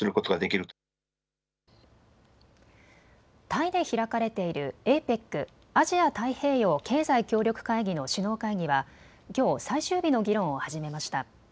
タイで開かれているＡＰＥＣ・アジア太平洋経済協力会議の首脳会議はきょう最終日の議論を始めました。